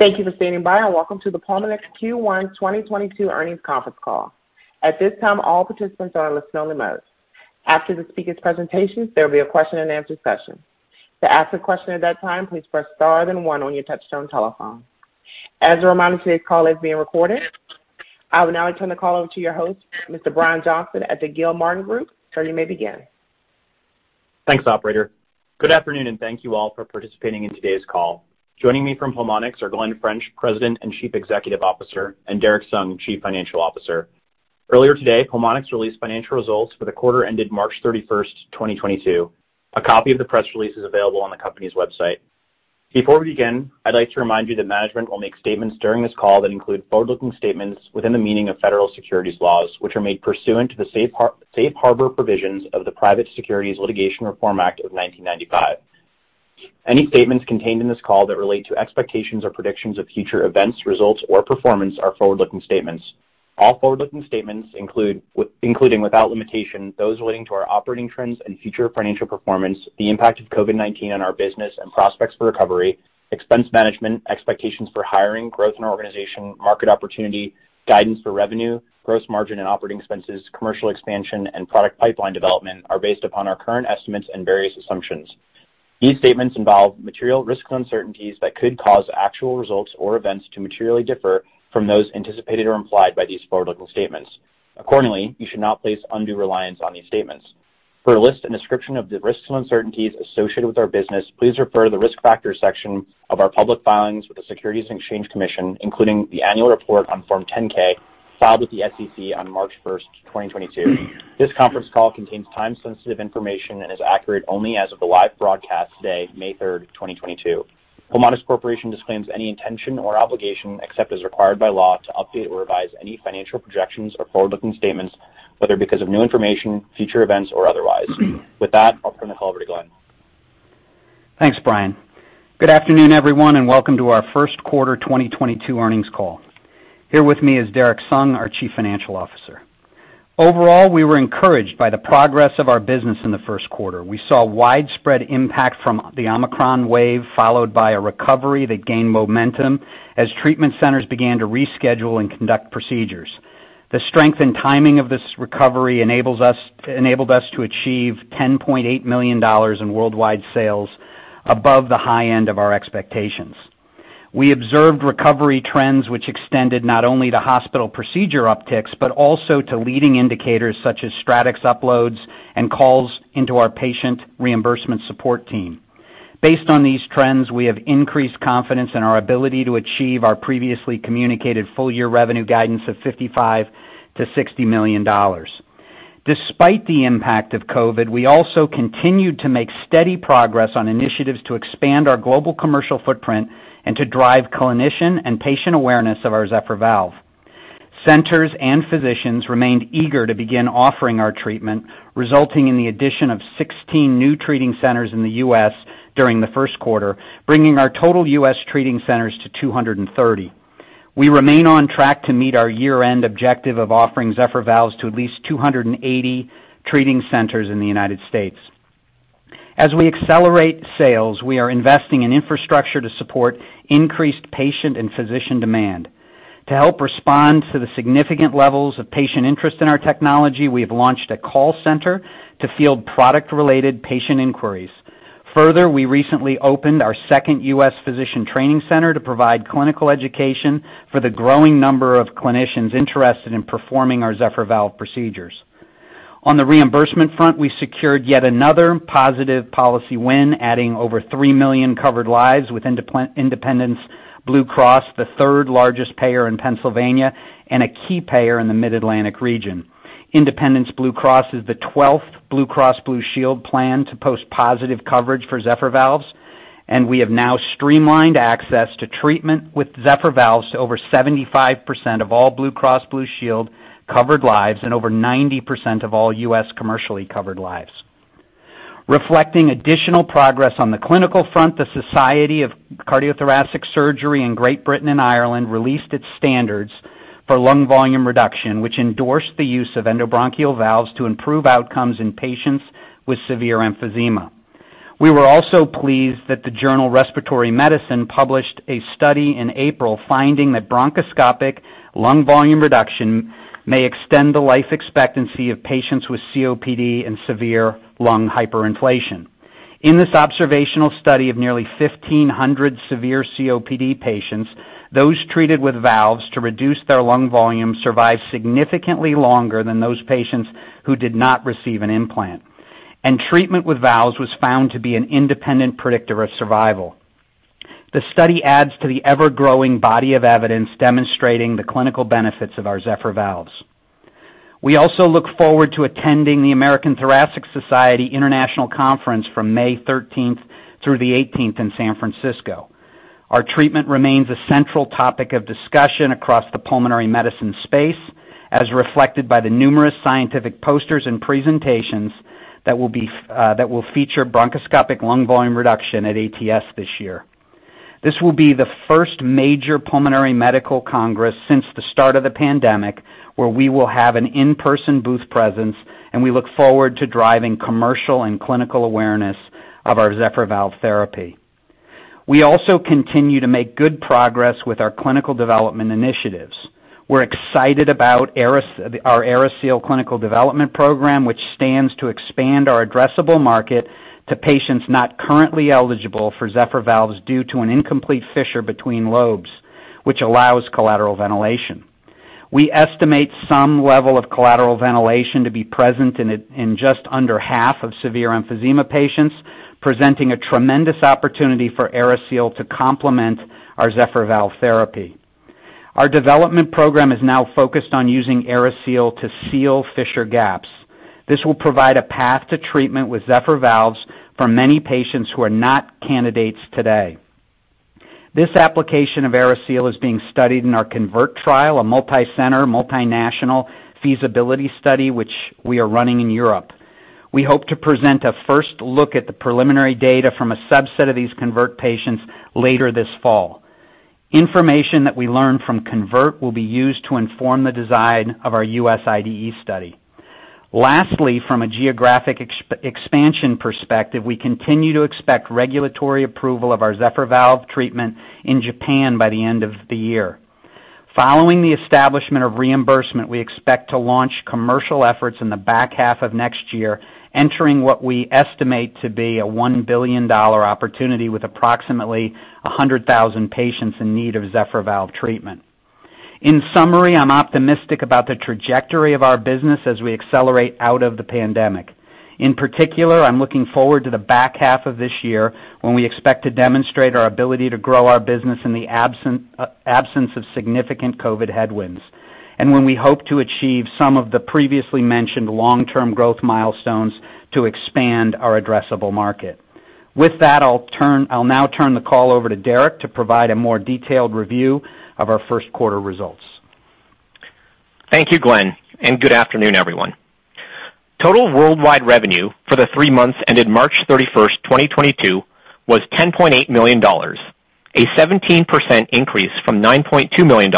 Thank you for standing by and welcome to the Pulmonx Q1 2022 earnings conference call. At this time, all participants are in listen only mode. After the speakers' presentations, there will be a question and answer session. To ask a question at that time, please press star then one on your touchtone telephone. As a reminder, today's call is being recorded. I will now turn the call over to your host, Mr. Brian Johnston at the Gilmartin Group. Sir, you may begin. Thanks, operator. Good afternoon, and thank you all for participating in today's call. Joining me from Pulmonx are Glen French, President and Chief Executive Officer, and Derrick Sung, Chief Financial Officer. Earlier today, Pulmonx released financial results for the quarter ended March 31st, 2022. A copy of the press release is available on the company's website. Before we begin, I'd like to remind you that management will make statements during this call that include forward-looking statements within the meaning of federal securities laws, which are made pursuant to the safe harbor provisions of the Private Securities Litigation Reform Act of 1995. Any statements contained in this call that relate to expectations or predictions of future events, results or performance are forward-looking statements. All forward-looking statements, including, without limitation, those relating to our operating trends and future financial performance, the impact of COVID-19 on our business and prospects for recovery, expense management, expectations for hiring, growth and organization, market opportunity, guidance for revenue, gross margin and operating expenses, commercial expansion and product pipeline development are based upon our current estimates and various assumptions. These statements involve material risks and uncertainties that could cause actual results or events to materially differ from those anticipated or implied by these forward-looking statements. Accordingly, you should not place undue reliance on these statements. For a list and description of the risks and uncertainties associated with our business, please refer to the Risk Factors section of our public filings with the Securities and Exchange Commission, including the annual report on Form 10-K filed with the SEC on March 1st, 2022. This conference call contains time-sensitive information and is accurate only as of the live broadcast today, May 3rd, 2022. Pulmonx Corporation disclaims any intention or obligation, except as required by law, to update or revise any financial projections or forward-looking statements, whether because of new information, future events or otherwise. With that, I'll turn the call over to Glen. Thanks, Brian. Good afternoon, everyone, and welcome to our first quarter 2022 earnings call. Here with me is Derrick Sung, our Chief Financial Officer. Overall, we were encouraged by the progress of our business in the first quarter. We saw widespread impact from the Omicron wave, followed by a recovery that gained momentum as treatment centers began to reschedule and conduct procedures. The strength and timing of this recovery enabled us to achieve $10.8 million in worldwide sales above the high end of our expectations. We observed recovery trends which extended not only to hospital procedure upticks, but also to leading indicators such as StratX uploads and calls into our patient reimbursement support team. Based on these trends, we have increased confidence in our ability to achieve our previously communicated full year revenue guidance of $55 million-$60 million. Despite the impact of COVID, we also continued to make steady progress on initiatives to expand our global commercial footprint and to drive clinician and patient awareness of our Zephyr valve. Centers and physicians remained eager to begin offering our treatment, resulting in the addition of 16 new treating centers in the U.S. during the first quarter, bringing our total U.S. treating centers to 230. We remain on track to meet our year-end objective of offering Zephyr valves to at least 280 treating centers in the United States. As we accelerate sales, we are investing in infrastructure to support increased patient and physician demand. To help respond to the significant levels of patient interest in our technology, we have launched a call center to field product-related patient inquiries. Further, we recently opened our second U.S. physician training center to provide clinical education for the growing number of clinicians interested in performing our Zephyr valve procedures. On the reimbursement front, we secured yet another positive policy win, adding over 3 million covered lives with Independence Blue Cross, the third-largest payer in Pennsylvania and a key payer in the Mid-Atlantic region. Independence Blue Cross is the 12th Blue Cross Blue Shield plan to post positive coverage for Zephyr valves, and we have now streamlined access to treatment with Zephyr valves to over 75% of all Blue Cross Blue Shield covered lives and over 90% of all U.S. commercially covered lives. Reflecting additional progress on the clinical front, the Society for Cardiothoracic Surgery in Great Britain and Ireland released its standards for lung volume reduction, which endorsed the use of endobronchial valves to improve outcomes in patients with severe emphysema. We were also pleased that the journal Respiratory Medicine published a study in April finding that bronchoscopic lung volume reduction may extend the life expectancy of patients with COPD and severe lung hyperinflation. In this observational study of nearly 1,500 severe COPD patients, those treated with valves to reduce their lung volume survived significantly longer than those patients who did not receive an implant, and treatment with valves was found to be an independent predictor of survival. The study adds to the ever-growing body of evidence demonstrating the clinical benefits of our Zephyr valves. We look forward to attending the American Thoracic Society International Conference from May 13th through the 18th in San Francisco. Our treatment remains a central topic of discussion across the pulmonary medicine space, as reflected by the numerous scientific posters and presentations that will feature bronchoscopic lung volume reduction at ATS this year. This will be the first major pulmonary medical congress since the start of the pandemic where we will have an in-person booth presence, and we look forward to driving commercial and clinical awareness of our Zephyr valve therapy. We continue to make good progress with our clinical development initiatives. We're excited about our AeriSeal clinical development program, which stands to expand our addressable market to patients not currently eligible for Zephyr valves due to an incomplete fissure between lobes, which allows collateral ventilation. We estimate some level of collateral ventilation to be present in just under half of severe emphysema patients, presenting a tremendous opportunity for AeriSeal to complement our Zephyr valve therapy. Our development program is now focused on using AeriSeal to seal fissure gaps. This will provide a path to treatment with Zephyr valves for many patients who are not candidates today. This application of AeriSeal is being studied in our CONVERT trial, a multicenter, multinational feasibility study, which we are running in Europe. We hope to present a first look at the preliminary data from a subset of these CONVERT patients later this fall. Information that we learn from CONVERT will be used to inform the design of our U.S. IDE study. Lastly, from a geographic expansion perspective, we continue to expect regulatory approval of our Zephyr valve treatment in Japan by the end of the year. Following the establishment of reimbursement, we expect to launch commercial efforts in the back half of next year, entering what we estimate to be a $1 billion opportunity with approximately 100,000 patients in need of Zephyr valve treatment. In summary, I'm optimistic about the trajectory of our business as we accelerate out of the pandemic. In particular, I'm looking forward to the back half of this year when we expect to demonstrate our ability to grow our business in the absence of significant COVID headwinds, and when we hope to achieve some of the previously mentioned long-term growth milestones to expand our addressable market. With that, I'll now turn the call over to Derrick to provide a more detailed review of our first quarter results. Thank you, Glen, and good afternoon, everyone. Total worldwide revenue for the three months ended March 31st, 2022 was $10.8 million, a 17% increase from $9.2 million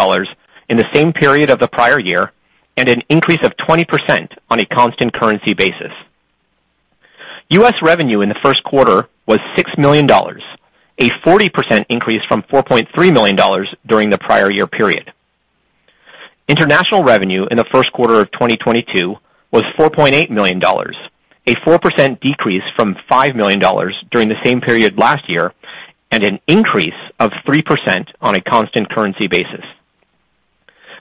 in the same period of the prior year, and an increase of 20% on a constant currency basis. U.S. revenue in the first quarter was $6 million, a 40% increase from $4.3 million during the prior year period. International revenue in the first quarter of 2022 was $4.8 million, a 4% decrease from $5 million during the same period last year, and an increase of 3% on a constant currency basis.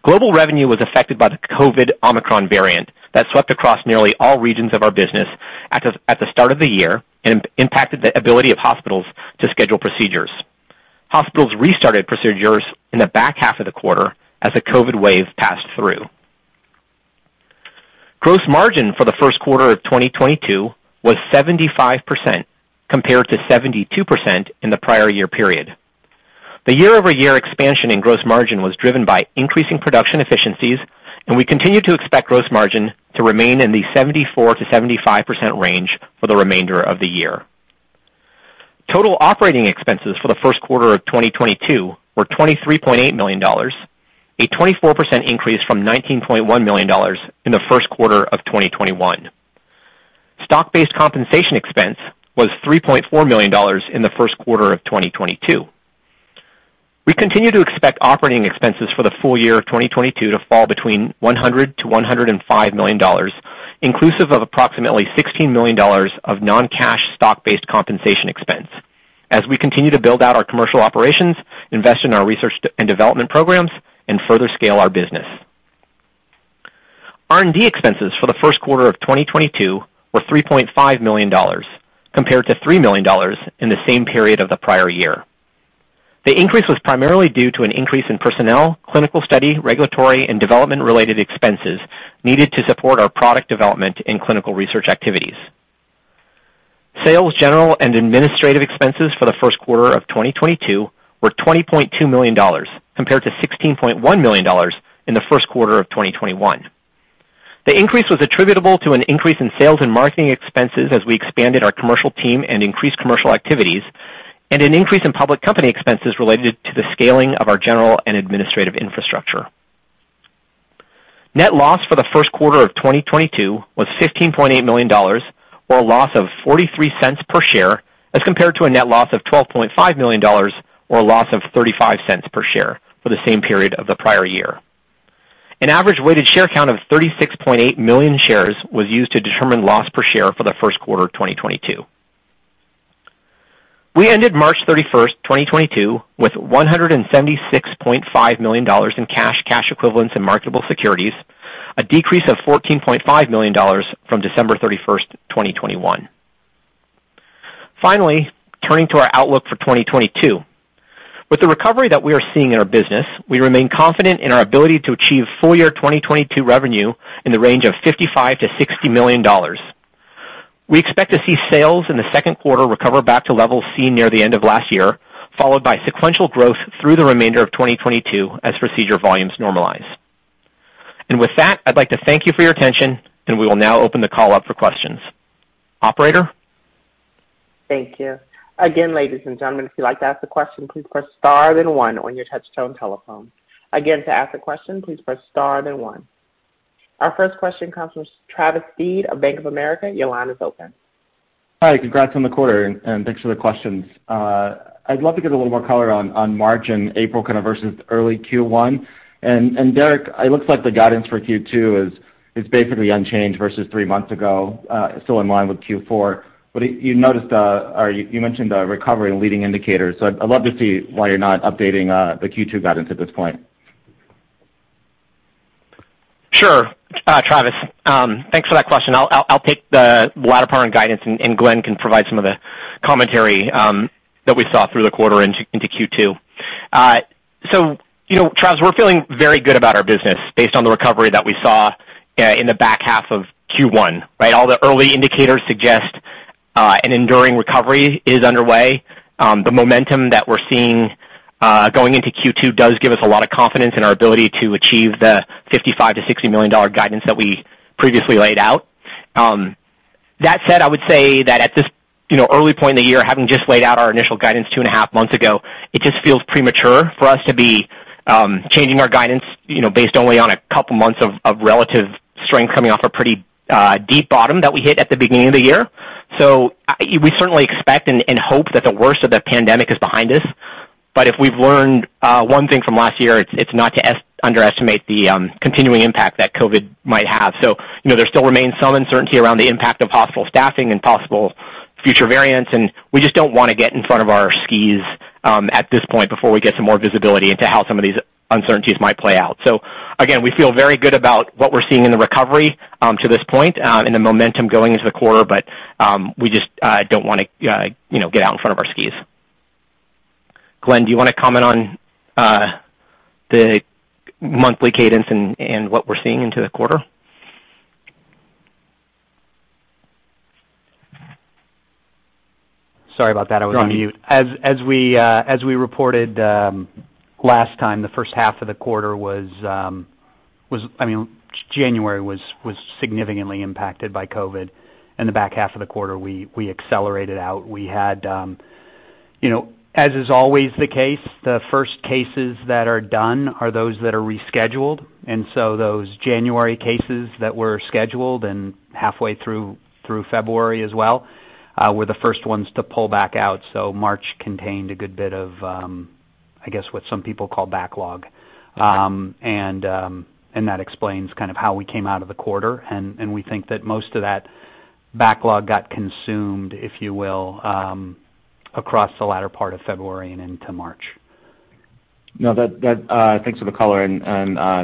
Global revenue was affected by the COVID Omicron variant that swept across nearly all regions of our business at the start of the year and impacted the ability of hospitals to schedule procedures. Hospitals restarted procedures in the back half of the quarter as the COVID wave passed through. Gross margin for the first quarter of 2022 was 75% compared to 72% in the prior year period. The year-over-year expansion in gross margin was driven by increasing production efficiencies, and we continue to expect gross margin to remain in the 74%-75% range for the remainder of the year. Total operating expenses for the first quarter of 2022 were $23.8 million, a 24% increase from $19.1 million in the first quarter of 2021. Stock-based compensation expense was $3.4 million in the first quarter of 2022. We continue to expect operating expenses for the full year of 2022 to fall between $100 million-$105 million, inclusive of approximately $16 million of non-cash stock-based compensation expense as we continue to build out our commercial operations, invest in our research and development programs, and further scale our business. R&D expenses for the first quarter of 2022 were $3.5 million, compared to $3 million in the same period of the prior year. The increase was primarily due to an increase in personnel, clinical study, regulatory, and development-related expenses needed to support our product development and clinical research activities. Sales, general, and administrative expenses for the first quarter of 2022 were $20.2 million, compared to $16.1 million in the first quarter of 2021. The increase was attributable to an increase in sales and marketing expenses as we expanded our commercial team and increased commercial activities, and an increase in public company expenses related to the scaling of our general and administrative infrastructure. Net loss for the first quarter of 2022 was $15.8 million or a loss of $0.43 per share, as compared to a net loss of $12.5 million or a loss of $0.35 per share for the same period of the prior year. An average weighted share count of 36.8 million shares was used to determine loss per share for the first quarter of 2022. We ended March 31st, 2022, with $176.5 million in cash equivalents and marketable securities, a decrease of $14.5 million from December 31st, 2021. Finally, turning to our outlook for 2022. With the recovery that we are seeing in our business, we remain confident in our ability to achieve full year 2022 revenue in the range of $55 million-$60 million. We expect to see sales in the second quarter recover back to levels seen near the end of last year, followed by sequential growth through the remainder of 2022 as procedure volumes normalize. With that, I'd like to thank you for your attention, and we will now open the call up for questions. Operator? Thank you. Again, ladies and gentlemen, if you'd like to ask a question, please press star then one on your touchtone telephone. Again, to ask a question, please press star then one. Our first question comes from Travis Steed of Bank of America Merrill Lynch. Your line is open. Hi, congrats on the quarter, and thanks for the questions. I'd love to get a little more color on March and April kind of versus early Q1. Derrick, it looks like the guidance for Q2 is basically unchanged versus three months ago, still in line with Q4. You noticed, or you mentioned the recovery and leading indicators. I'd love to see why you're not updating the Q2 guidance at this point. Sure. Travis, thanks for that question. I'll take the latter part on guidance, and Glen can provide some of the commentary that we saw through the quarter into Q2. You know, Travis, we're feeling very good about our business based on the recovery that we saw in the back half of Q1, right? All the early indicators suggest an enduring recovery is underway. The momentum that we're seeing going into Q2 does give us a lot of confidence in our ability to achieve the $55 million-$60 million guidance that we previously laid out. That said, I would say that at this, you know, early point in the year, having just laid out our initial guidance two and a half months ago, it just feels premature for us to be changing our guidance, based only on a couple months of relative strength coming off a pretty deep bottom that we hit at the beginning of the year. We certainly expect and hope that the worst of the pandemic is behind us, but if we've learned one thing from last year, it's not to underestimate the continuing impact that COVID might have. You know, there still remains some uncertainty around the impact of possible staffing and possible future variants, and we just don't wanna get in front of our skis at this point before we get some more visibility into how some of these uncertainties might play out. Again, we feel very good about what we're seeing in the recovery to this point and the momentum going into the quarter, but we just don't wanna get out in front of our skis. Glen, do you wanna comment on the monthly cadence and what we're seeing into the quarter? Sorry about that. I was on mute. We reported last time, the first half of the quarter was. I mean, January was significantly impacted by COVID, and the back half of the quarter, we accelerated out. We had, you know, as is always the case, the first cases that are done are those that are rescheduled. Those January cases that were scheduled and halfway through February as well were the first ones to pull back out. March contained a good bit of, I guess what some people call backlog. That explains kind of how we came out of the quarter, and we think that most of that backlog got consumed, if you will, across the latter part of February and into March. Thanks for the color and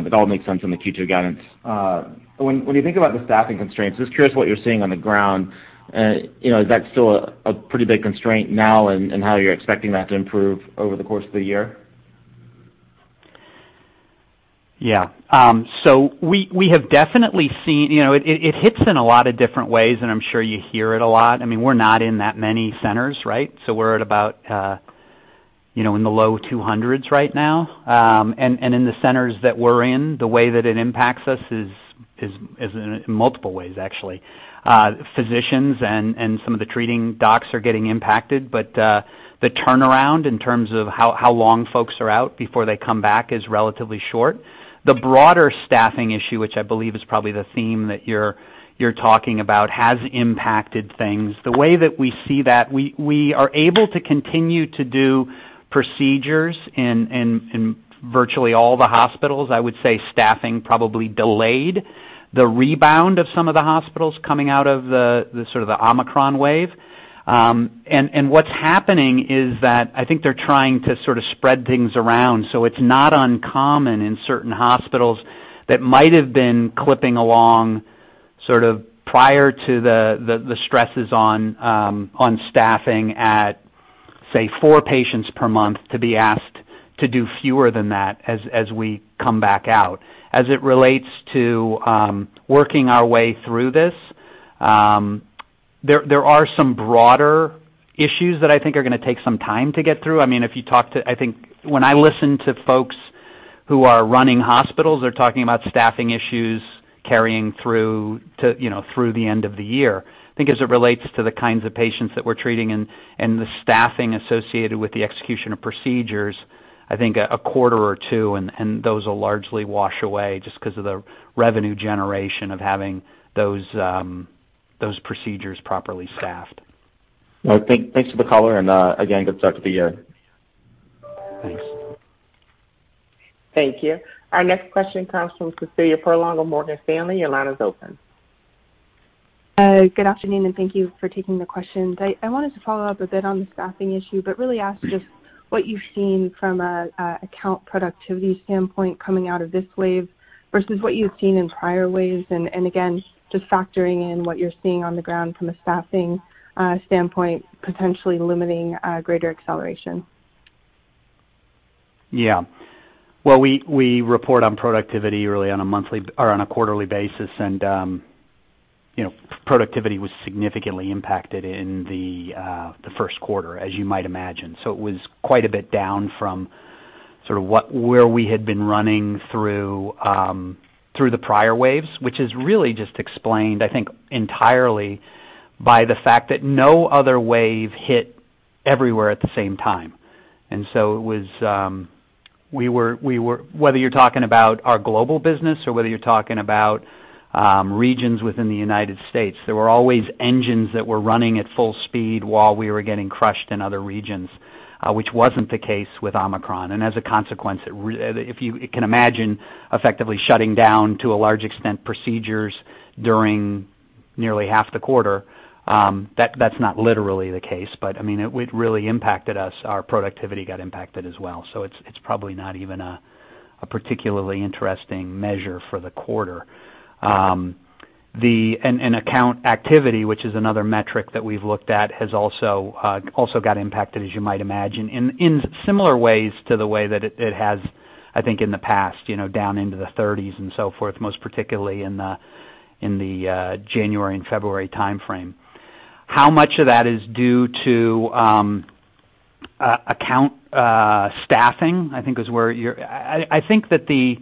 it all makes sense in the Q2 guidance. When you think about the staffing constraints, just curious what you're seeing on the ground. You know, is that still a pretty big constraint now and how you're expecting that to improve over the course of the year? Yeah. We have definitely seen. You know, it hits in a lot of different ways, and I'm sure you hear it a lot. I mean, we're not in that many centers, right? We're at about, you know, in the low 200s right now. In the centers that we're in, the way that it impacts us is in multiple ways, actually. Physicians and some of the treating docs are getting impacted, but the turnaround in terms of how long folks are out before they come back is relatively short. The broader staffing issue, which I believe is probably the theme that you're talking about, has impacted things. The way that we see that, we are able to continue to do procedures in virtually all the hospitals. I would say staffing probably delayed the rebound of some of the hospitals coming out of the sort of Omicron wave. What's happening is that I think they're trying to sort of spread things around, so it's not uncommon in certain hospitals that might have been clipping along sort of prior to the stresses on staffing at, say, four patients per month to be asked to do fewer than that as we come back out. As it relates to working our way through this, there are some broader issues that I think are gonna take some time to get through. I mean, if you talk to folks who are running hospitals I think when I listen to folks who are running hospitals, they're talking about staffing issues carrying through to, you know, the end of the year. I think as it relates to the kinds of patients that we're treating and the staffing associated with the execution of procedures, I think a quarter or two and those will largely wash away just 'cause of the revenue generation of having those procedures properly staffed. Well, thanks for the color and again, good start to the year. Thanks. Thank you. Our next question comes from Cecilia Furlong, Morgan Stanley. Your line is open. Good afternoon, and thank you for taking the questions. I wanted to follow up a bit on the staffing issue, but really ask just what you've seen from a account productivity standpoint coming out of this wave versus what you've seen in prior waves and again, just factoring in what you're seeing on the ground from a staffing standpoint potentially limiting greater acceleration. Yeah. Well, we report on productivity really on a monthly or on a quarterly basis and, you know, productivity was significantly impacted in the first quarter, as you might imagine. It was quite a bit down from sort of where we had been running through the prior waves, which is really just explained, I think, entirely by the fact that no other wave hit everywhere at the same time. It was, we were whether you're talking about our global business or whether you're talking about regions within the United States, there were always engines that were running at full speed while we were getting crushed in other regions, which wasn't the case with Omicron. As a consequence, if you can imagine effectively shutting down to a large extent, procedures during nearly half the quarter, that's not literally the case. I mean, it would really impacted us. Our productivity got impacted as well. It's probably not even a particularly interesting measure for the quarter. Account activity, which is another metric that we've looked at, has also got impacted, as you might imagine, in similar ways to the way that it has, I think, in the past, down into the 30s and so forth, most particularly in the January and February time frame. How much of that is due to account staffing, I think that the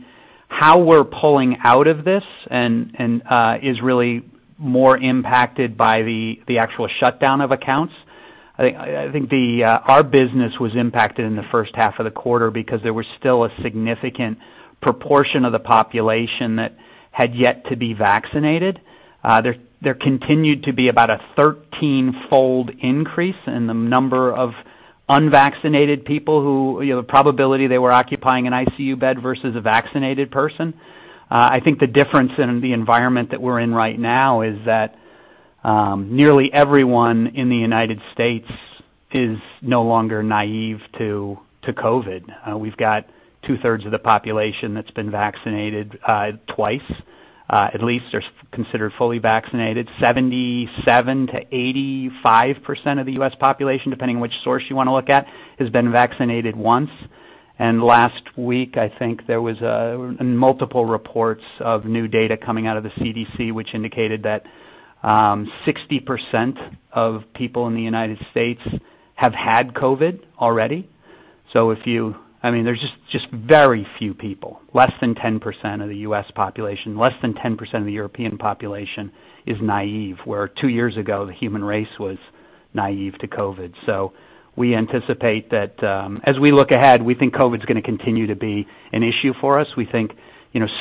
how we're pulling out of this and is really more impacted by the actual shutdown of accounts. I think our business was impacted in the first half of the quarter because there was still a significant proportion of the population that had yet to be vaccinated. There continued to be about a 13-fold increase in the number of unvaccinated people who, you know, the probability they were occupying an ICU bed versus a vaccinated person. I think the difference in the environment that we're in right now is that nearly everyone in the United States is no longer naive to COVID. We've got 2/3 of the population that's been vaccinated twice, at least they're considered fully vaccinated. 77%-85% of the U.S. population, depending on which source you wanna look at, has been vaccinated once. Last week, I think there was multiple reports of new data coming out of the CDC, which indicated that 60% of people in the United States have had COVID already. I mean, there's just very few people, less than 10% of the U.S. population, less than 10% of the European population is naive, where two years ago, the human race was naive to COVID. We anticipate that, as we look ahead, we think COVID's gonna continue to be an issue for us. We think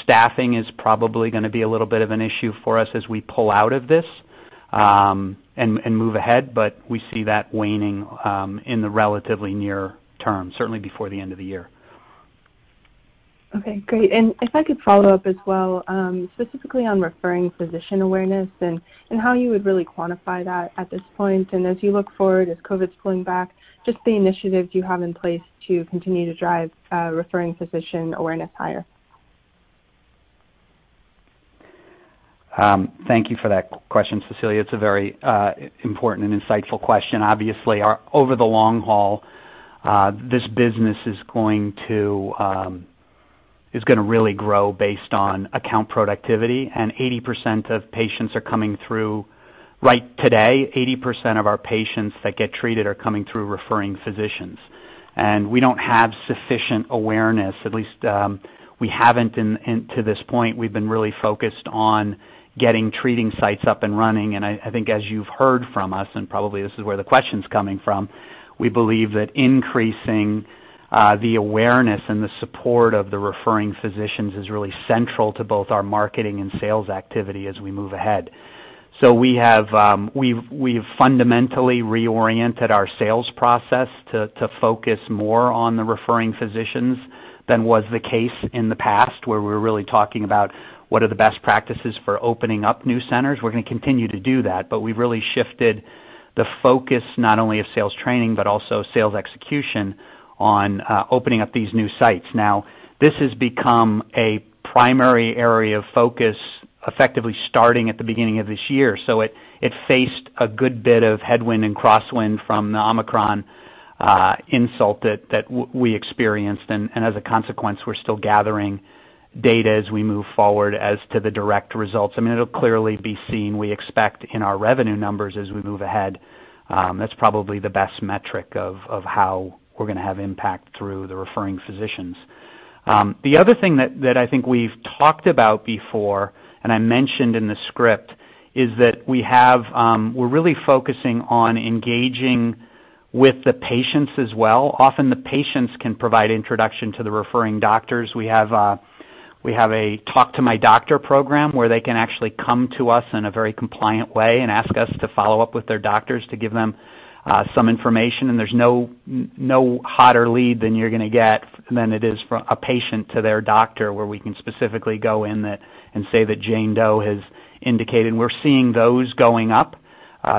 staffing is probably gonna be a little bit of an issue for us as we pull out of this and move ahead. We see that waning in the relatively near term, certainly before the end of the year. Okay, great. If I could follow up as well, specifically on referring physician awareness and how you would really quantify that at this point. As you look forward, as COVID's pulling back, just the initiatives you have in place to continue to drive referring physician awareness higher. Thank you for that question, Cecilia. It's a very important and insightful question. Obviously, over the long haul, this business is gonna really grow based on account productivity, and 80% of patients are coming through. Right today, 80% of our patients that get treated are coming through referring physicians. We don't have sufficient awareness, at least, we haven't in to this point. We've been really focused on getting treating sites up and running. I think, as you've heard from us, and probably this is where the question's coming from, we believe that increasing the awareness and the support of the referring physicians is really central to both our marketing and sales activity as we move ahead. We've fundamentally reoriented our sales process to focus more on the referring physicians than was the case in the past, where we're really talking about what are the best practices for opening up new centers. We're gonna continue to do that, but we've really shifted the focus not only of sales training, but also sales execution on opening up these new sites. Now, this has become a primary area of focus, effectively starting at the beginning of this year. It faced a good bit of headwind and crosswind from the Omicron insult that we experienced. As a consequence, we're still gathering data as we move forward as to the direct results. I mean, it'll clearly be seen, we expect, in our revenue numbers as we move ahead. That's probably the best metric of how we're gonna have impact through the referring physicians. The other thing that I think we've talked about before, and I mentioned in the script, is that we're really focusing on engaging with the patients as well. Often the patients can provide introduction to the referring doctors. We have a Talk to My Doctor program, where they can actually come to us in a very compliant way and ask us to follow up with their doctors to give them some information. There's no hotter lead than you're gonna get than it is from a patient to their doctor, where we can specifically go in that and say that Jane Doe has indicated. We're seeing those going up,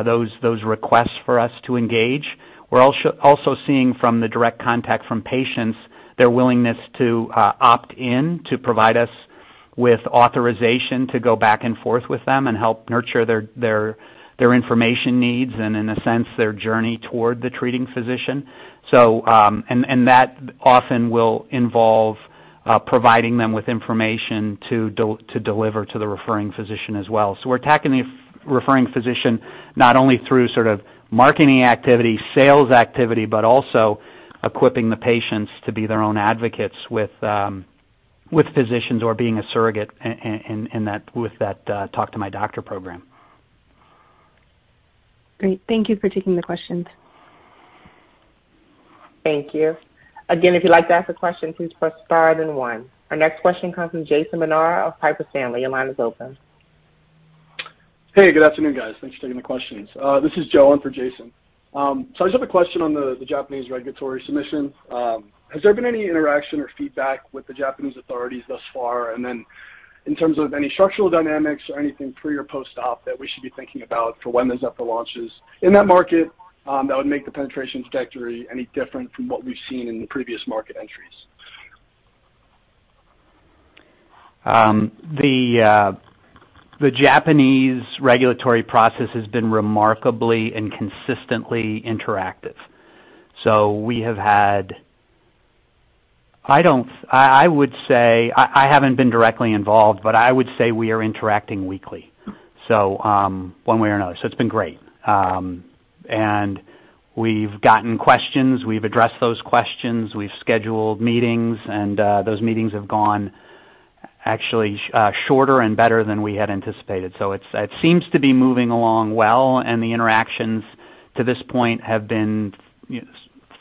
those requests for us to engage. We're also seeing from the direct contact from patients, their willingness to opt in to provide us with authorization to go back and forth with them and help nurture their information needs and in a sense, their journey toward the treating physician. That often will involve providing them with information to deliver to the referring physician as well. We're attacking the referring physician not only through sort of marketing activity, sales activity, but also equipping the patients to be their own advocates with physicians or being a surrogate in that with that Talk to My Doctor program. Great. Thank you for taking the questions. Thank you. Again, if you'd like to ask a question, please press star then one. Our next question comes from Jason Bednar of Piper Sandler. Your line is open. Hey, good afternoon, guys. Thanks for taking the questions. This is Joe in for Jason. I just have a question on the Japanese regulatory submission. Has there been any interaction or feedback with the Japanese authorities thus far? In terms of any structural dynamics or anything pre or post-op that we should be thinking about for when this EP launches in that market, that would make the penetration trajectory any different from what we've seen in the previous market entries. The Japanese regulatory process has been remarkably and consistently interactive. We have had. I would say I haven't been directly involved, but I would say we are interacting weekly, one way or another. It's been great. We've gotten questions, we've addressed those questions, we've scheduled meetings, and those meetings have gone actually shorter and better than we had anticipated. It seems to be moving along well, and the interactions to this point have been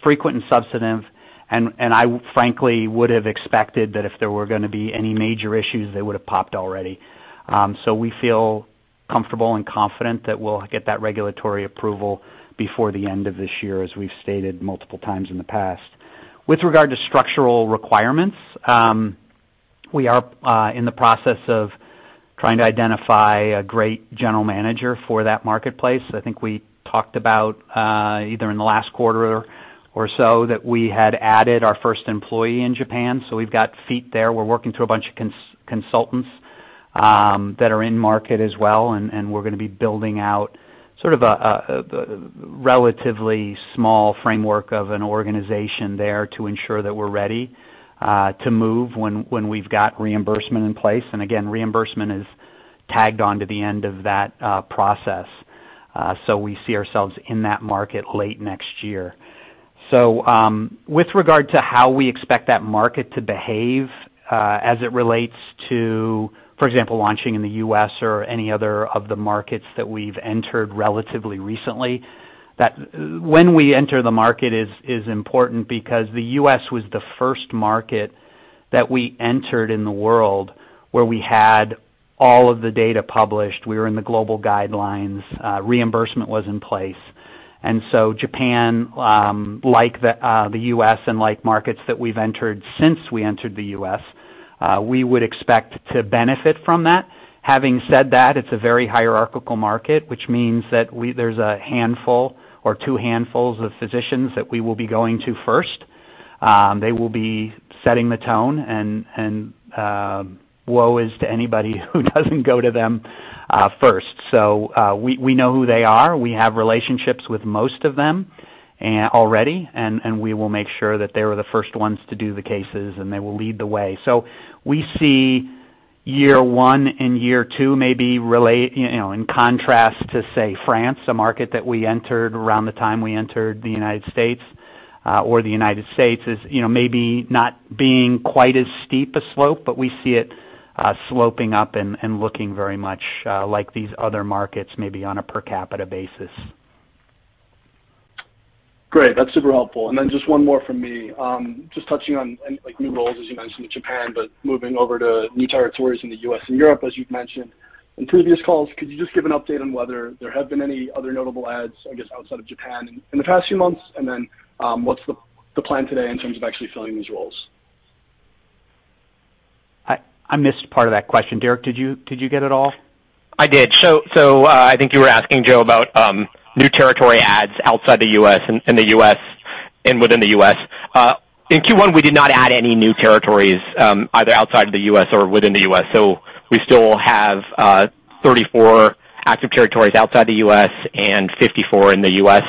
frequent and substantive. I frankly would have expected that if there were gonna be any major issues, they would have popped already. We feel comfortable and confident that we'll get that regulatory approval before the end of this year, as we've stated multiple times in the past. With regard to structural requirements, we are in the process of trying to identify a great general manager for that marketplace. I think we talked about either in the last quarter or so that we had added our first employee in Japan. So we've got feet there. We're working through a bunch of consultants that are in market as well, and we're gonna be building out sort of a relatively small framework of an organization there to ensure that we're ready to move when we've got reimbursement in place. Again, reimbursement is tagged on to the end of that process. So we see ourselves in that market late next year. With regard to how we expect that market to behave, as it relates to, for example, launching in the U.S. or any other of the markets that we've entered relatively recently, that when we enter the market is important because the U.S. was the first market that we entered in the world where we had all of the data published. We were in the global guidelines. Reimbursement was in place. Japan, like the U.S. and like markets that we've entered since we entered the U.S., we would expect to benefit from that. Having said that, it's a very hierarchical market, which means that there's a handful or two handfuls of physicians that we will be going to first. They will be setting the tone and woe is to anybody who doesn't go to them first. We know who they are. We have relationships with most of them already, and we will make sure that they were the first ones to do the cases, and they will lead the way. We see year one and year two maybe relate, you know, in contrast to, say, France, a market that we entered around the time we entered the United States, or the United States is, maybe not being quite as steep a slope, but we see it sloping up and looking very much like these other markets, maybe on a per capita basis. Great. That's super helpful. Just one more from me. Just touching on, like new roles, as you mentioned with Japan, but moving over to new territories in the U.S. and Europe, as you've mentioned in previous calls, could you just give an update on whether there have been any other notable adds, I guess, outside of Japan in the past few months? What's the plan today in terms of actually filling these roles? I missed part of that question. Derrick, did you get it all? I did. I think you were asking Joe about new territory adds outside the U.S. and in the U.S. and within the U.S. In Q1, we did not add any new territories, either outside of the U.S. or within the U.S. We still have 34 active territories outside the U.S. and 54 in the U.S.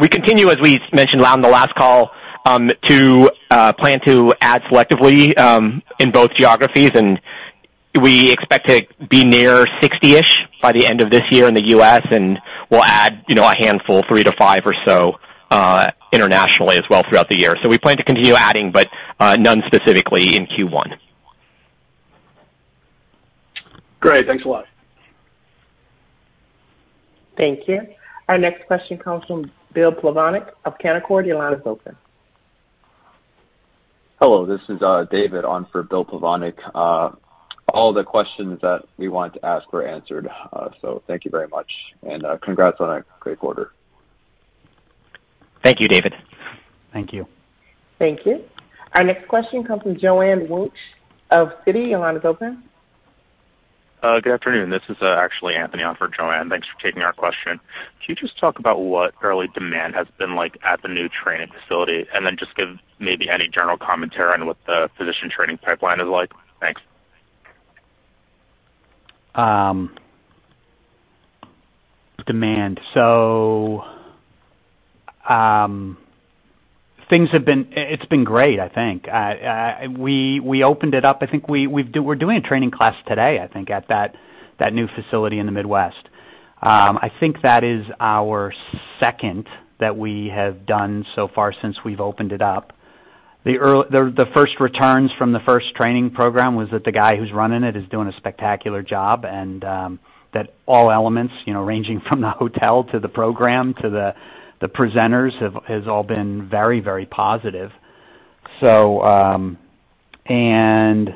We continue, as we mentioned on the last call, to plan to add selectively in both geographies, and we expect to be near 60-ish by the end of this year in the U.S., and we'll add, you know, a handful, three-five or so, internationally as well throughout the year. We plan to continue adding, but none specifically in Q1. Great. Thanks a lot. Thank you. Our next question comes from Bill Plovanic of Canaccord Genuity. Your line is open. Hello, this is David on for Bill Plovanic. All the questions that we wanted to ask were answered. So thank you very much. Congrats on a great quarter. Thank you, David. Thank you. Thank you. Our next question comes from Joanne Wuensch of Citi. Your line is open. Good afternoon. This is actually Anthony on for Joanne. Thanks for taking our question. Can you just talk about what early demand has been like at the new training facility? Just give maybe any general commentary on what the physician training pipeline is like. Thanks. Demand. Things have been. It's been great, I think. We opened it up. I think we're doing a training class today, I think, at that new facility in the Midwest. I think that is our second that we have done so far since we've opened it up. The first returns from the first training program was that the guy who's running it is doing a spectacular job, and that all elements, you know, ranging from the hotel to the program to the presenters have all been very, very positive. It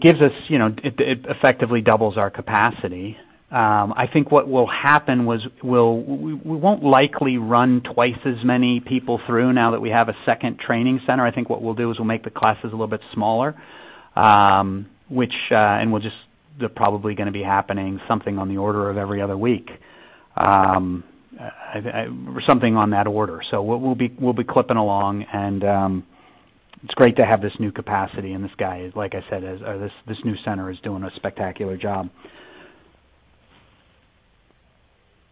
gives us, you know, it effectively doubles our capacity. I think what will happen is we won't likely run twice as many people through now that we have a second training center. I think what we'll do is we'll make the classes a little bit smaller, which they're probably gonna be happening something on the order of every other week. Something on that order. We'll be clipping along, and it's great to have this new capacity, and this guy, like I said, or this new center is doing a spectacular job.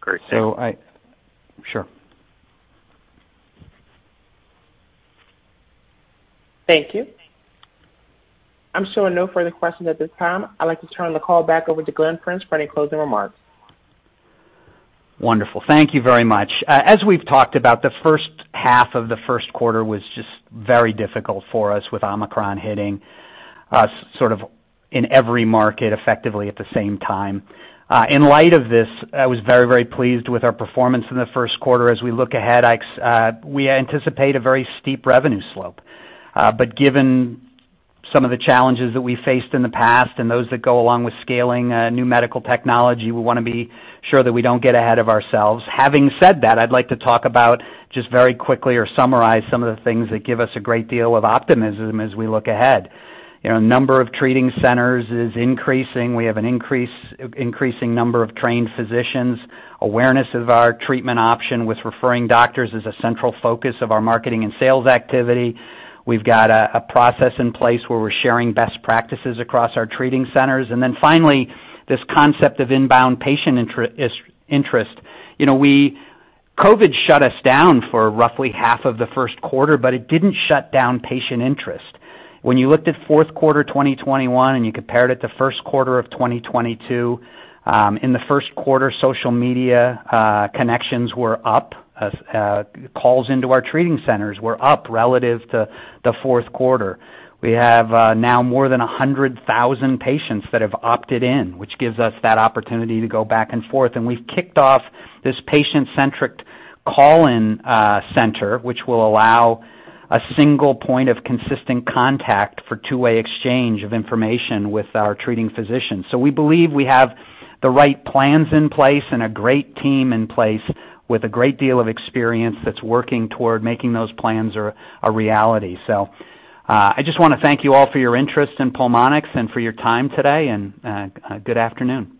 Great. Thank you. Sure. Thank you. I'm showing no further questions at this time. I'd like to turn the call back over to Glen French for any closing remarks. Wonderful. Thank you very much. As we've talked about, the first half of the first quarter was just very difficult for us with Omicron hitting us sort of in every market effectively at the same time. In light of this, I was very, very pleased with our performance in the first quarter. As we look ahead, we anticipate a very steep revenue slope. But given some of the challenges that we faced in the past and those that go along with scaling new medical technology, we wanna be sure that we don't get ahead of ourselves. Having said that, I'd like to talk about just very quickly or summarize some of the things that give us a great deal of optimism as we look ahead. You know, number of treating centers is increasing. We have increasing number of trained physicians. Awareness of our treatment option with referring doctors is a central focus of our marketing and sales activity. We've got a process in place where we're sharing best practices across our treating centers. Then finally, this concept of inbound patient interest. You know, COVID shut us down for roughly half of the first quarter, but it didn't shut down patient interest. When you looked at fourth quarter 2021 and you compared it to first quarter of 2022, in the first quarter, social media connections were up, calls into our treating centers were up relative to the fourth quarter. We have now more than 100,000 patients that have opted in, which gives us that opportunity to go back and forth. We've kicked off this patient-centric call-in center, which will allow a single point of consistent contact for two-way exchange of information with our treating physicians. We believe we have the right plans in place and a great team in place with a great deal of experience that's working toward making those plans a reality. I just wanna thank you all for your interest in Pulmonx and for your time today, and good afternoon.